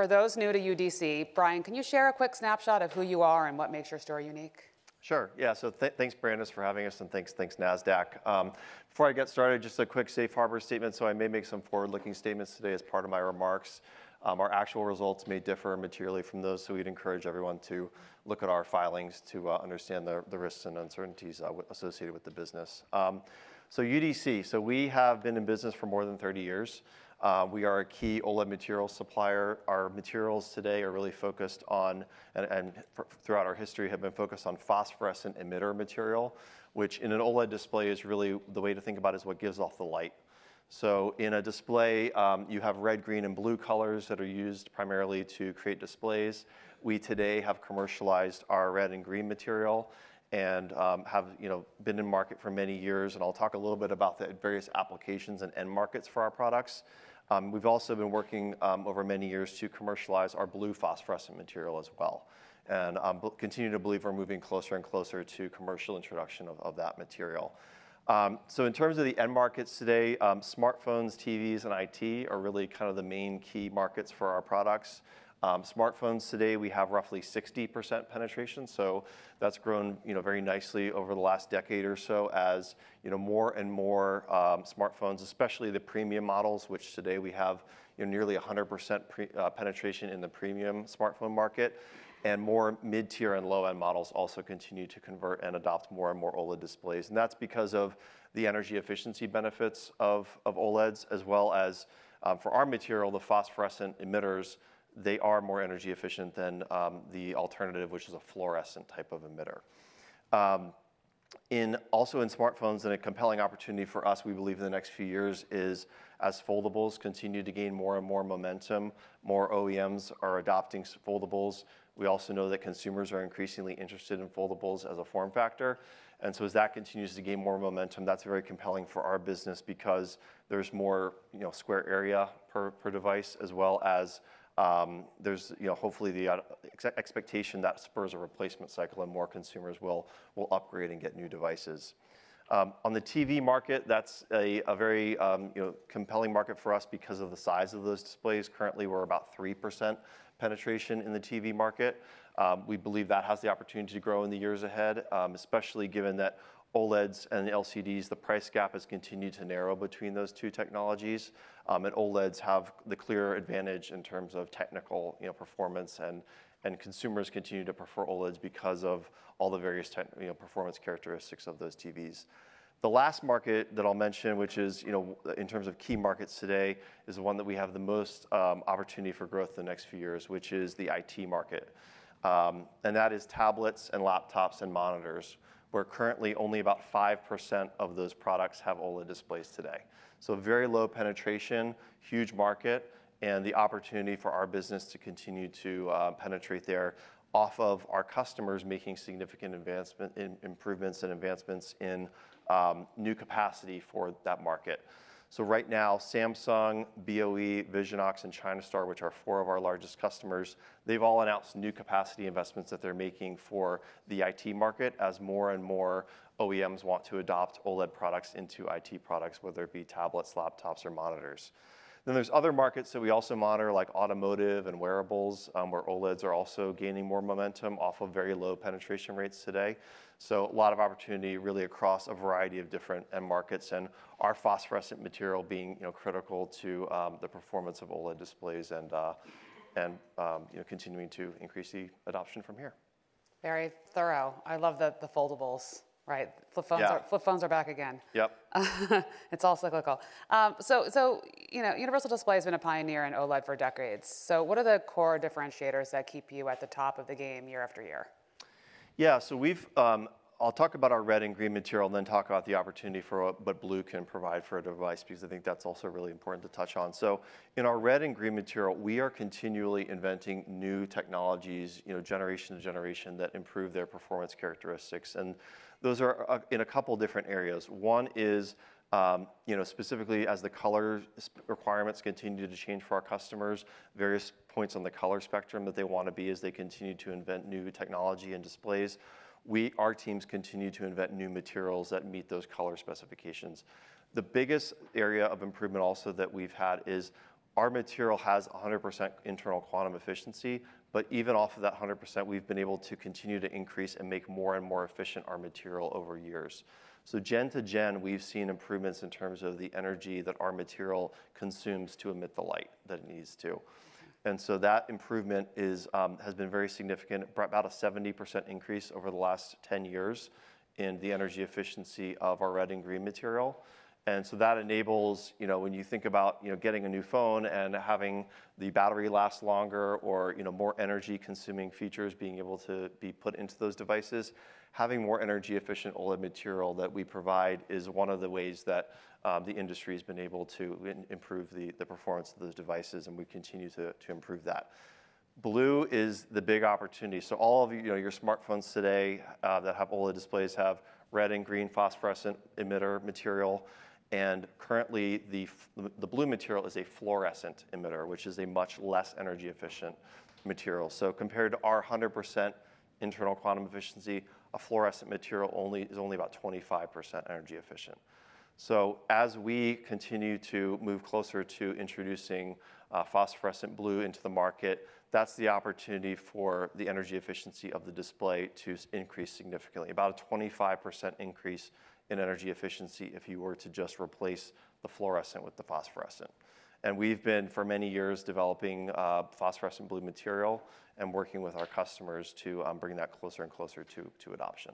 for those new to UDC, Brian, can you share a quick snapshot of who you are and what makes your story unique? Sure. Yeah. So thanks, Brandice, for having us, and thanks, Nasdaq. Before I get started, just a quick safe harbor statement so I may make some forward-looking statements today as part of my remarks. Our actual results may differ materially from those, so we'd encourage everyone to look at our filings to understand the risks and uncertainties associated with the business. So UDC, so we have been in business for more than 30 years. We are a key OLED material supplier. Our materials today are really focused on, and throughout our history, have been focused on phosphorescent emitter material, which in an OLED display is really the way to think about is what gives off the light. So in a display, you have red, green, and blue colors that are used primarily to create displays. We today have commercialized our red and green material and have been in market for many years. And I'll talk a little bit about the various applications and end markets for our products. We've also been working over many years to commercialize our blue phosphorescent material as well and continue to believe we're moving closer and closer to commercial introduction of that material. So in terms of the end markets today, smartphones, TVs, and IT are really kind of the main key markets for our products. Smartphones today, we have roughly 60% penetration. So that's grown very nicely over the last decade or so as more and more smartphones, especially the premium models, which today we have nearly 100% penetration in the premium smartphone market, and more mid-tier and low-end models also continue to convert and adopt more and more OLED displays. That's because of the energy efficiency benefits of OLEDs, as well as for our material, the phosphorescent emitters. They are more energy efficient than the alternative, which is a fluorescent type of emitter. Also in smartphones, a compelling opportunity for us, we believe in the next few years is as foldables continue to gain more and more momentum, more OEMs are adopting foldables. We also know that consumers are increasingly interested in foldables as a form factor. And so as that continues to gain more momentum, that's very compelling for our business because there's more square area per device, as well as there's hopefully the expectation that spurs a replacement cycle and more consumers will upgrade and get new devices. On the TV market, that's a very compelling market for us because of the size of those displays. Currently, we're about 3% penetration in the TV market. We believe it has the opportunity to grow in the years ahead, especially given that the price gap between OLEDs and LCDs has continued to narrow between those two technologies, and OLEDs have the clear advantage in terms of technical performance, and consumers continue to prefer OLEDs because of all the various performance characteristics of those TVs. The last market that I'll mention, which is in terms of key markets today, is the one that we have the most opportunity for growth in the next few years, which is the IT market, and that is tablets and laptops and monitors, where currently only about 5% of those products have OLED displays today, so very low penetration, huge market, and the opportunity for our business to continue to penetrate there off of our customers making significant improvements and advancements in new capacity for that market. So right now, Samsung, BOE, Visionox, and China Star, which are four of our largest customers, they've all announced new capacity investments that they're making for the IT market as more and more OEMs want to adopt OLED products into IT products, whether it be tablets, laptops, or monitors. Then there's other markets that we also monitor, like automotive and wearables, where OLEDs are also gaining more momentum off of very low penetration rates today. So a lot of opportunity really across a variety of different end markets and our phosphorescent material being critical to the performance of OLED displays and continuing to increase the adoption from here. Very thorough. I love the foldables, right? Flip phones are back again. Yep. It's all cyclical. So Universal Display has been a pioneer in OLED for decades. So what are the core differentiators that keep you at the top of the game year after year? Yeah. So I'll talk about our red and green material, then talk about the opportunity for what blue can provide for a device because I think that's also really important to touch on. So in our red and green material, we are continually inventing new technologies, generation to generation, that improve their performance characteristics. And those are in a couple of different areas. One is specifically as the color requirements continue to change for our customers, various points on the color spectrum that they want to be as they continue to invent new technology and displays, our teams continue to invent new materials that meet those color specifications. The biggest area of improvement also that we've had is our material has 100% internal quantum efficiency, but even off of that 100%, we've been able to continue to increase and make more and more efficient our material over years. Generation to generation, we've seen improvements in terms of the energy that our material consumes to emit the light that it needs to. That improvement has been very significant, about a 70% increase over the last 10 years in the energy efficiency of our red and green material. That enables, when you think about getting a new phone and having the battery last longer or more energy-consuming features being able to be put into those devices, having more energy-efficient OLED material that we provide is one of the ways that the industry has been able to improve the performance of those devices. We continue to improve that. Blue is the big opportunity. All of your smartphones today that have OLED displays have red and green phosphorescent emitter material. Currently, the blue material is a fluorescent emitter, which is a much less energy-efficient material. Compared to our 100% internal quantum efficiency, a fluorescent material is only about 25% energy efficient. As we continue to move closer to introducing phosphorescent blue into the market, that's the opportunity for the energy efficiency of the display to increase significantly, about a 25% increase in energy efficiency if you were to just replace the fluorescent with the phosphorescent. We've been for many years developing phosphorescent blue material and working with our customers to bring that closer and closer to adoption.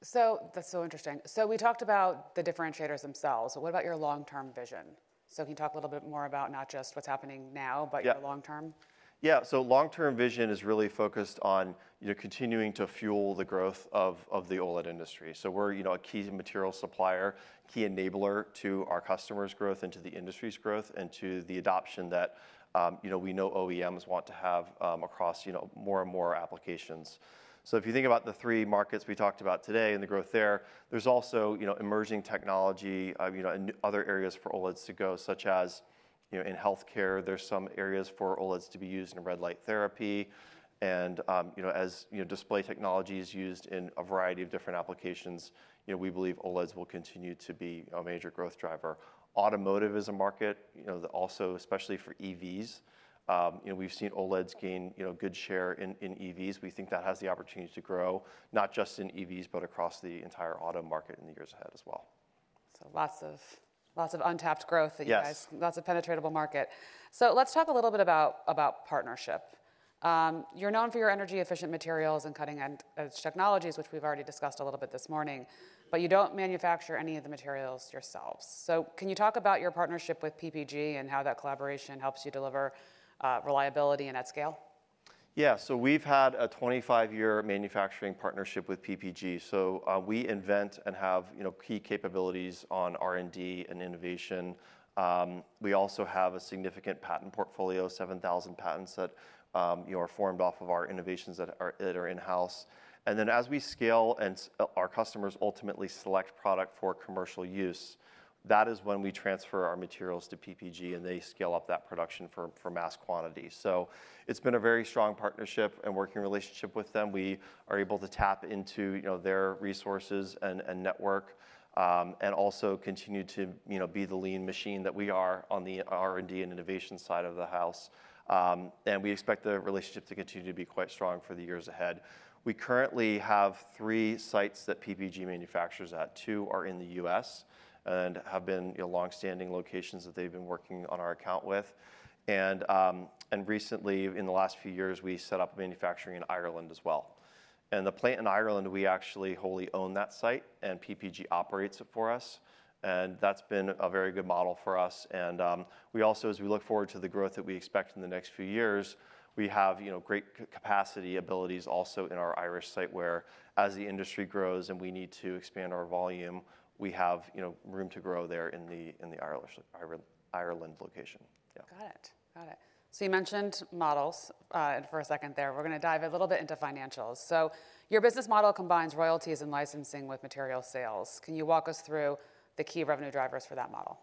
That's so interesting. So we talked about the differentiators themselves. What about your long-term vision? So can you talk a little bit more about not just what's happening now, but your long-term? Yeah. So long-term vision is really focused on continuing to fuel the growth of the OLED industry. So we're a key material supplier, key enabler to our customers' growth and to the industry's growth and to the adoption that we know OEMs want to have across more and more applications. So if you think about the three markets we talked about today and the growth there, there's also emerging technology and other areas for OLEDs to go, such as in healthcare, there's some areas for OLEDs to be used in red light therapy, and as display technology is used in a variety of different applications, we believe OLEDs will continue to be a major growth driver. Automotive is a market also, especially for EVs. We've seen OLEDs gain a good share in EVs. We think that has the opportunity to grow not just in EVs, but across the entire auto market in the years ahead as well. So, lots of untapped growth that you guys, lots of penetrable market, so let's talk a little bit about partnership. You're known for your energy-efficient materials and cutting-edge technologies, which we've already discussed a little bit this morning, but you don't manufacture any of the materials yourselves, so can you talk about your partnership with PPG and how that collaboration helps you deliver reliability and at scale? Yeah. So we've had a 25-year manufacturing partnership with PPG. So we invent and have key capabilities on R&D and innovation. We also have a significant patent portfolio, 7,000 patents that are formed off of our innovations that are in-house. And then as we scale and our customers ultimately select product for commercial use, that is when we transfer our materials to PPG, and they scale up that production for mass quantity. So it's been a very strong partnership and working relationship with them. We are able to tap into their resources and network and also continue to be the lean machine that we are on the R&D and innovation side of the house. And we expect the relationship to continue to be quite strong for the years ahead. We currently have three sites that PPG manufactures at. Two are in the U.S. and have been longstanding locations that they've been working on our account with. And recently, in the last few years, we set up manufacturing in Ireland as well. And the plant in Ireland, we actually wholly own that site, and PPG operates it for us. And that's been a very good model for us. And we also, as we look forward to the growth that we expect in the next few years, we have great capacity abilities also in our Irish site where, as the industry grows and we need to expand our volume, we have room to grow there in the Ireland location. Yeah. Got it. Got it. So you mentioned models for a second there. We're going to dive a little bit into financials. So your business model combines royalties and licensing with material sales. Can you walk us through the key revenue drivers for that model?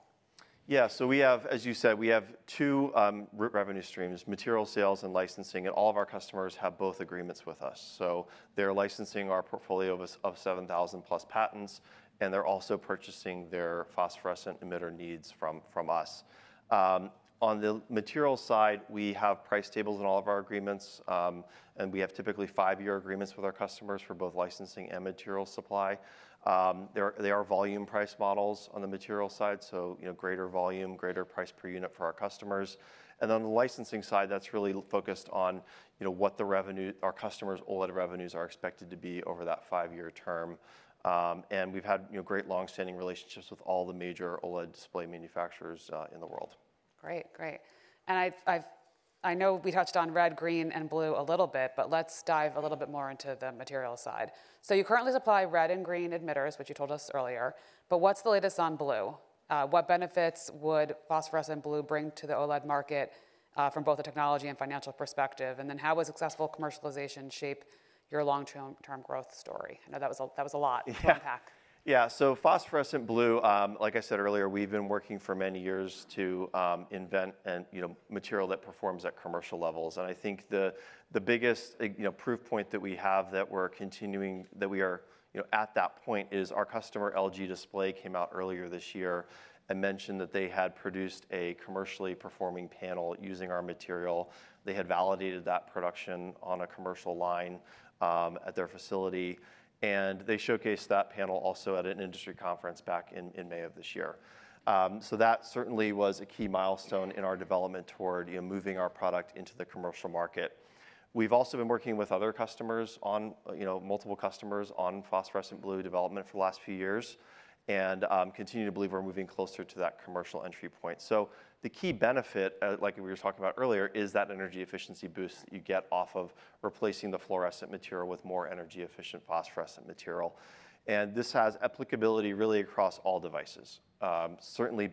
Yeah. So we have, as you said, we have two revenue streams, material sales and licensing, and all of our customers have both agreements with us. So they're licensing our portfolio of 7,000-plus patents, and they're also purchasing their phosphorescent emitter needs from us. On the material side, we have price tables in all of our agreements, and we have typically five-year agreements with our customers for both licensing and material supply. There are volume price models on the material side, so greater volume, greater price per unit for our customers. And on the licensing side, that's really focused on what our customers' OLED revenues are expected to be over that five-year term. And we've had great longstanding relationships with all the major OLED display manufacturers in the world. Great, great. And I know we touched on red, green, and blue a little bit, but let's dive a little bit more into the material side. So you currently supply red and green emitters, which you told us earlier, but what's the latest on blue? What benefits would phosphorescent blue bring to the OLED market from both a technology and financial perspective? And then how would successful commercialization shape your long-term growth story? I know that was a lot to unpack. Yeah, so phosphorescent blue, like I said earlier, we've been working for many years to invent material that performs at commercial levels, and I think the biggest proof point that we have, that we're continuing, that we are at that point is our customer, LG Display, came out earlier this year and mentioned that they had produced a commercially performing panel using our material. They had validated that production on a commercial line at their facility, and they showcased that panel also at an industry conference back in May of this year, so that certainly was a key milestone in our development toward moving our product into the commercial market. We've also been working with multiple customers on phosphorescent blue development for the last few years and continue to believe we're moving closer to that commercial entry point. So the key benefit, like we were talking about earlier, is that energy efficiency boost that you get off of replacing the fluorescent material with more energy-efficient phosphorescent material, and this has applicability really across all devices. Certainly,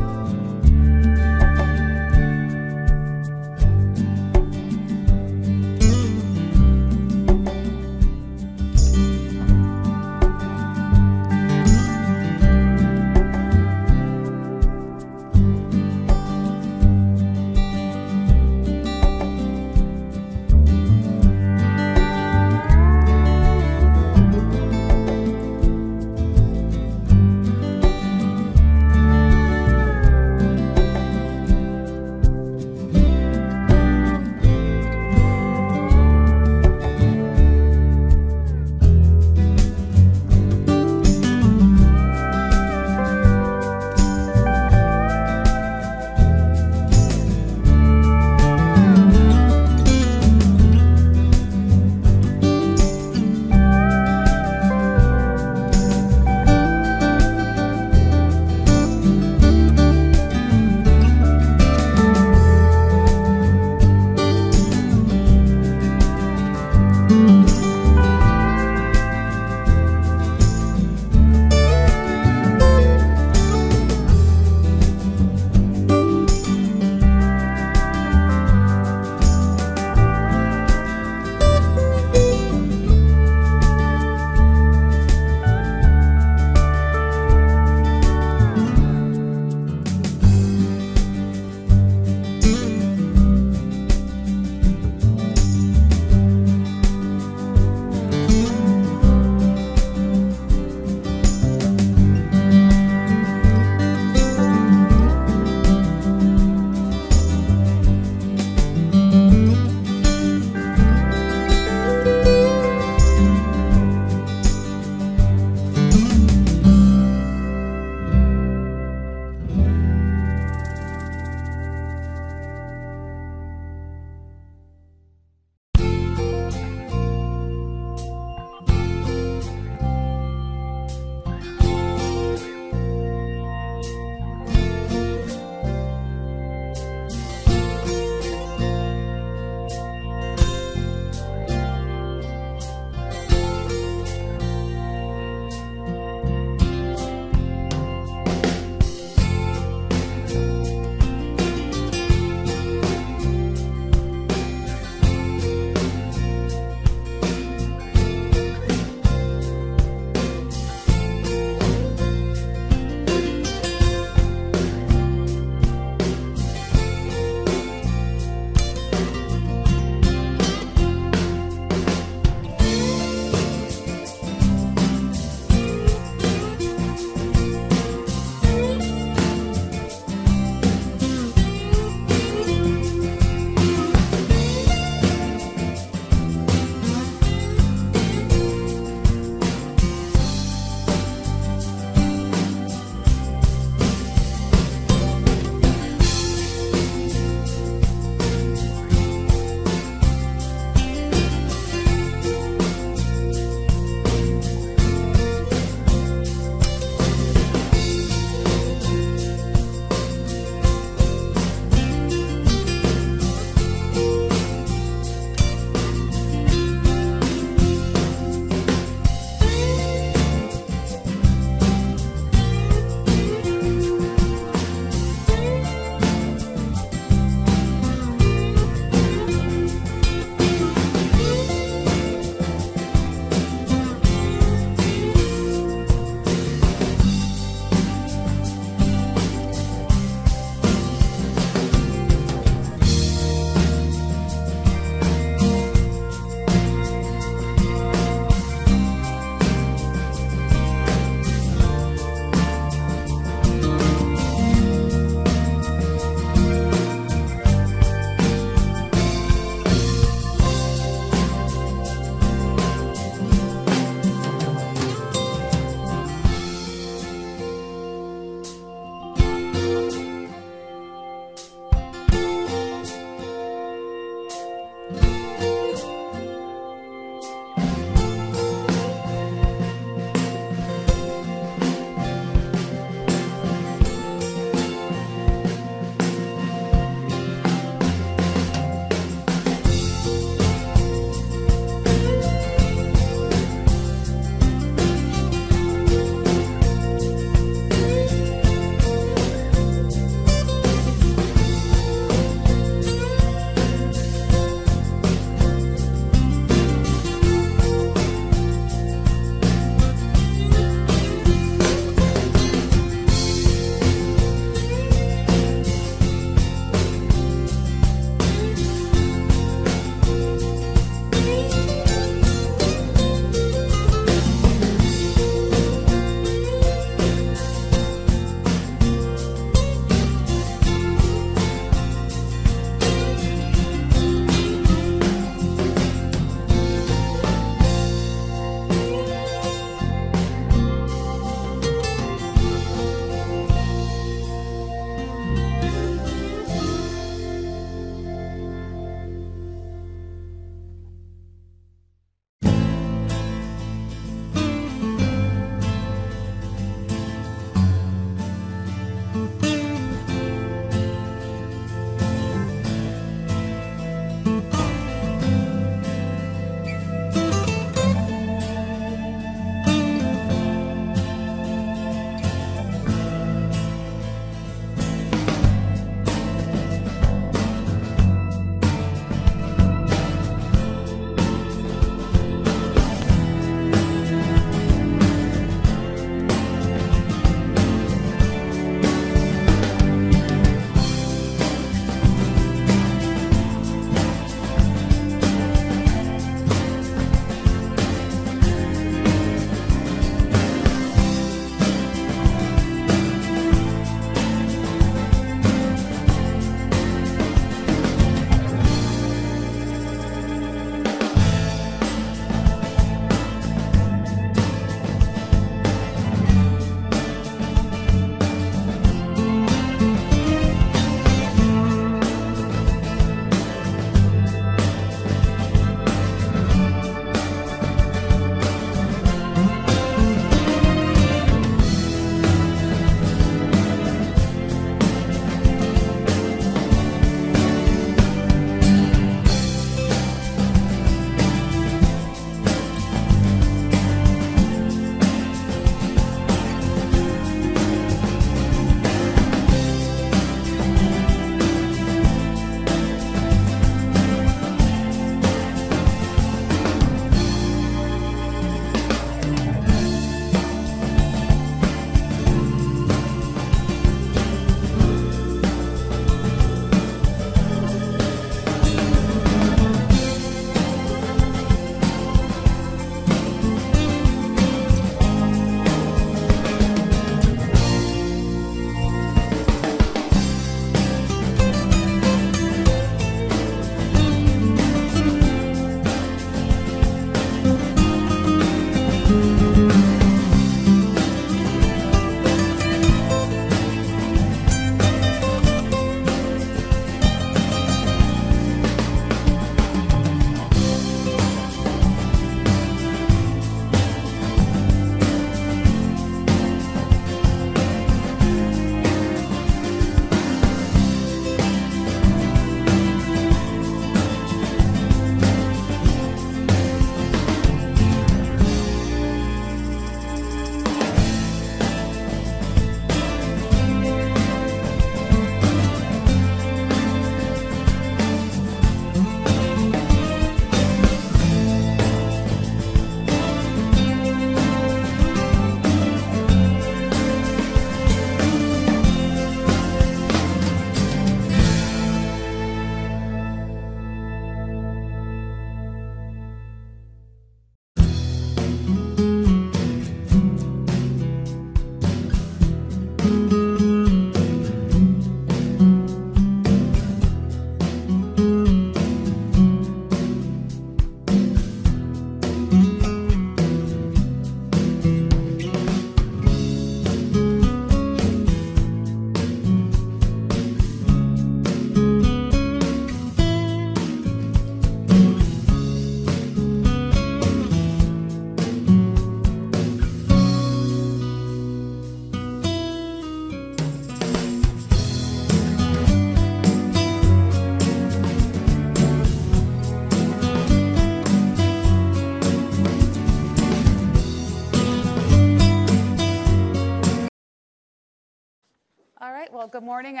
battery-powered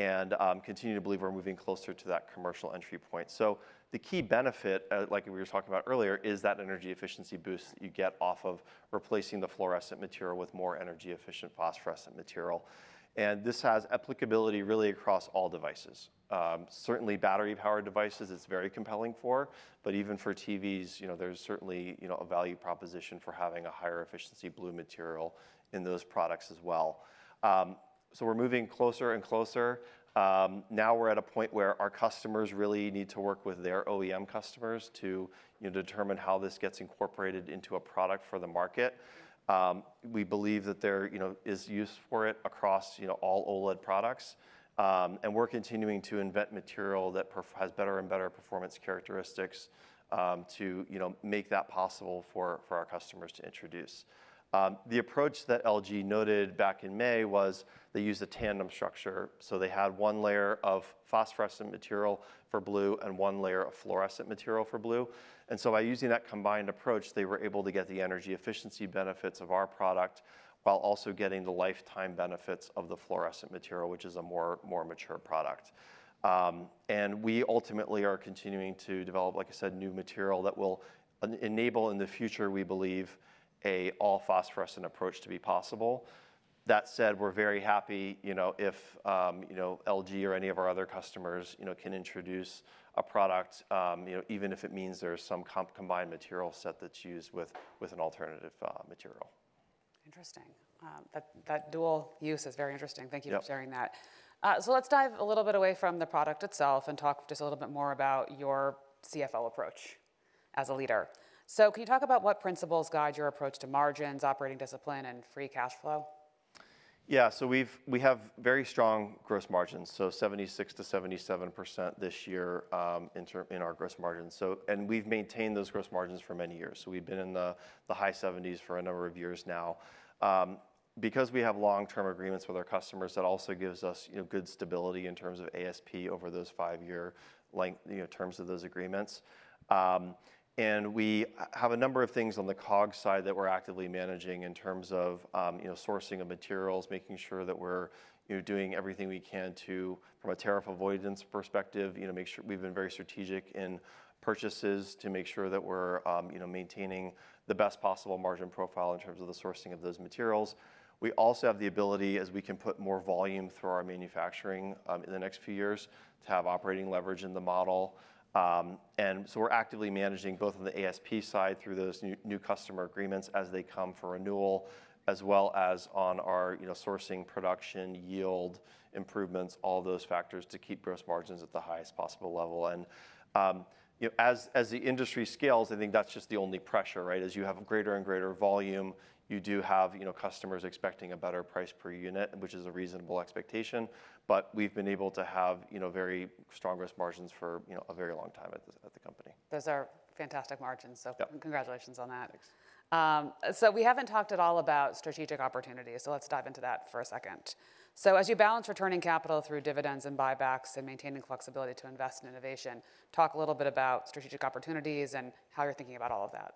devices, it's very compelling for, but even for TVs, there's certainly a value proposition for having a higher efficiency blue material in those products as well, so we're moving closer and closer. Now we're at a point where our customers really need to work with their OEM customers to determine how this gets incorporated into a product for the market. We believe that there is use for it across all OLED products, and we're continuing to invent material that has better and better performance characteristics to make that possible for our customers to introduce. The approach that LG noted back in May was they used a tandem structure. They had one layer of phosphorescent material for blue and one layer of fluorescent material for blue. By using that combined approach, they were able to get the energy efficiency benefits of our product while also getting the lifetime benefits of the fluorescent material, which is a more mature product. We ultimately are continuing to develop, like I said, new material that will enable, in the future, we believe, an all-phosphorescent approach to be possible. That said, we're very happy if LG or any of our other customers can introduce a product, even if it means there's some combined material set that's used with an alternative material. Interesting. That dual use is very interesting. Thank you for sharing that. So let's dive a little bit away from the product itself and talk just a little bit more about your CFO approach as a leader. So can you talk about what principles guide your approach to margins, operating discipline, and free cash flow? Yeah, so we have very strong gross margins, so 76%-77% this year in our gross margins. And we've maintained those gross margins for many years. So we've been in the high 70s for a number of years now because we have long-term agreements with our customers that also gives us good stability in terms of ASP over those five-year terms of those agreements. And we have a number of things on the COGS side that we're actively managing in terms of sourcing of materials, making sure that we're doing everything we can from a tariff avoidance perspective, making sure we've been very strategic in purchases to make sure that we're maintaining the best possible margin profile in terms of the sourcing of those materials. We also have the ability, as we can put more volume through our manufacturing in the next few years, to have operating leverage in the model. And so we're actively managing both on the ASP side through those new customer agreements as they come for renewal, as well as on our sourcing, production, yield, improvements, all those factors to keep gross margins at the highest possible level. And as the industry scales, I think that's just the only pressure, right? As you have greater and greater volume, you do have customers expecting a better price per unit, which is a reasonable expectation, but we've been able to have very strong gross margins for a very long time at the company. Those are fantastic margins. So congratulations on that. Thanks. We haven't talked at all about strategic opportunities. Let's dive into that for a second. As you balance returning capital through dividends and buybacks and maintaining flexibility to invest in innovation, talk a little bit about strategic opportunities and how you're thinking about all of that?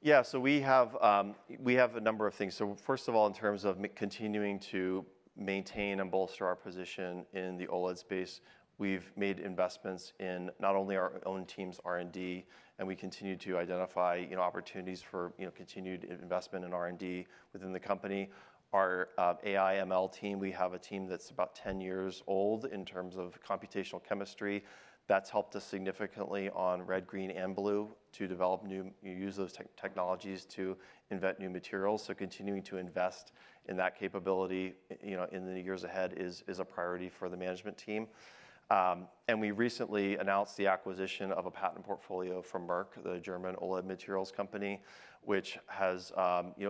Yeah. So we have a number of things. So first of all, in terms of continuing to maintain and bolster our position in the OLED space, we've made investments in not only our own team's R&D, and we continue to identify opportunities for continued investment in R&D within the company. Our AI/ML team, we have a team that's about 10 years old in terms of computational chemistry. That's helped us significantly on red, green, and blue to develop new, use those technologies to invent new materials. So continuing to invest in that capability in the years ahead is a priority for the management team. And we recently announced the acquisition of a patent portfolio from Merck, the German OLED materials company, which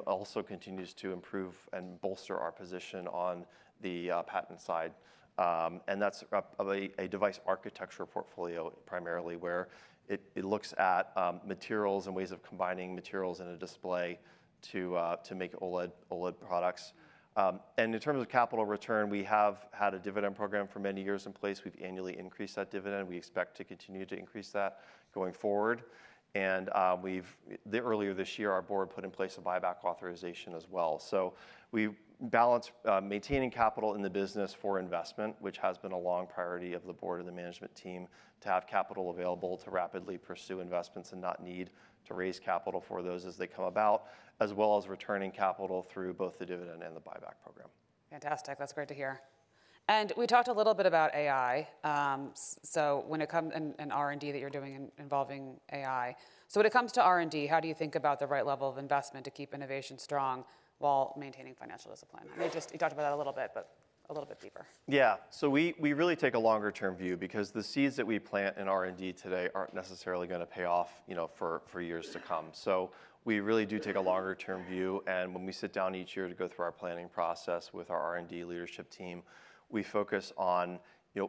also continues to improve and bolster our position on the patent side. And that's a device architecture portfolio primarily where it looks at materials and ways of combining materials in a display to make OLED products. And in terms of capital return, we have had a dividend program for many years in place. We've annually increased that dividend. We expect to continue to increase that going forward. And earlier this year, our board put in place a buyback authorization as well. So we balance maintaining capital in the business for investment, which has been a long priority of the board and the management team to have capital available to rapidly pursue investments and not need to raise capital for those as they come about, as well as returning capital through both the dividend and the buyback program. Fantastic. That's great to hear, and we talked a little bit about AI, so when it comes to an R&D that you're doing involving AI, so when it comes to R&D, how do you think about the right level of investment to keep innovation strong while maintaining financial discipline? You talked about that a little bit, but a little bit deeper. Yeah, so we really take a longer-term view because the seeds that we plant in R&D today aren't necessarily going to pay off for years to come, so we really do take a longer-term view, and when we sit down each year to go through our planning process with our R&D leadership team, we focus on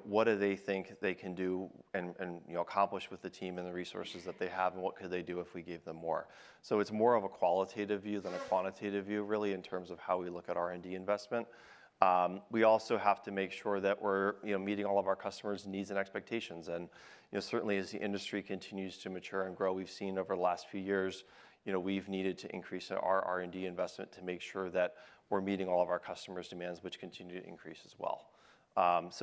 what do they think they can do and accomplish with the team and the resources that they have, and what could they do if we gave them more, so it's more of a qualitative view than a quantitative view, really, in terms of how we look at R&D investment. We also have to make sure that we're meeting all of our customers' needs and expectations. Certainly, as the industry continues to mature and grow, we've seen over the last few years, we've needed to increase our R&D investment to make sure that we're meeting all of our customers' demands, which continue to increase as well.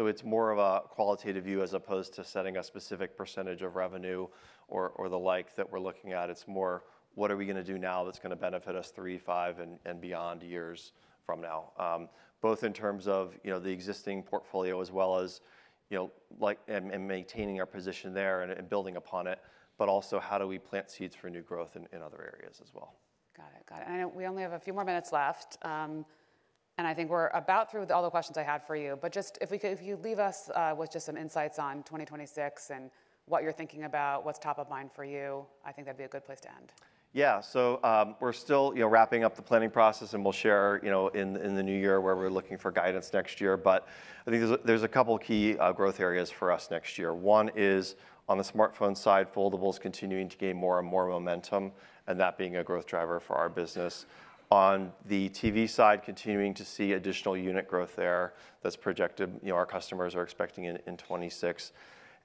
It's more of a qualitative view as opposed to setting a specific percentage of revenue or the like that we're looking at. It's more, what are we going to do now that's going to benefit us three, five, and beyond years from now, both in terms of the existing portfolio as well as maintaining our position there and building upon it, but also how do we plant seeds for new growth in other areas as well. Got it. Got it, and we only have a few more minutes left, and I think we're about through with all the questions I had for you, but just if you leave us with just some insights on 2026 and what you're thinking about, what's top of mind for you. I think that'd be a good place to end. Yeah. So we're still wrapping up the planning process, and we'll share in the new year where we're looking for guidance next year. But I think there's a couple of key growth areas for us next year. One is on the smartphone side, foldables continuing to gain more and more momentum and that being a growth driver for our business. On the TV side, continuing to see additional unit growth there that's projected our customers are expecting in 2026.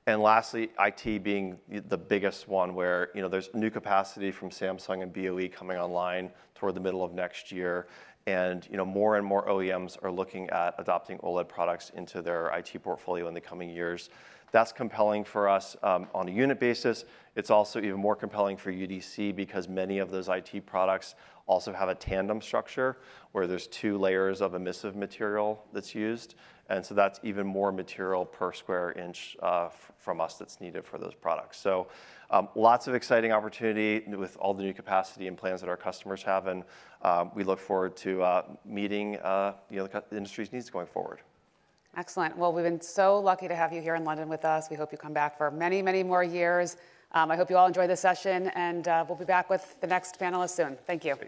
And lastly, IT being the biggest one where there's new capacity from Samsung and BOE coming online toward the middle of next year. And more and more OEMs are looking at adopting OLED products into their IT portfolio in the coming years. That's compelling for us on a unit basis. It's also even more compelling for UDC because many of those IT products also have a tandem structure where there's two layers of emissive material that's used. And so that's even more material per square inch from us that's needed for those products. So lots of exciting opportunity with all the new capacity and plans that our customers have. And we look forward to meeting the industry's needs going forward. Excellent. Well, we've been so lucky to have you here in London with us. We hope you come back for many, many more years. I hope you all enjoy the session, and we'll be back with the next panelist soon. Thank you.